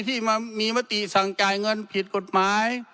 ที่มีมติสั่งจ่ายเงินผิดกฎหมาย